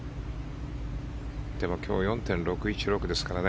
でも今日４．６１６ですからね